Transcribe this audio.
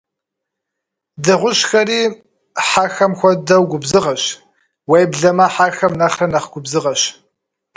Дыгъужьхэри, хьэхэм хуэдэу, губзыгъэщ, уеблэмэ хьэхэм нэхърэ нэхъ губзыгъэщ.